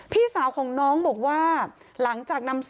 พี่สาวของน้องบอกว่า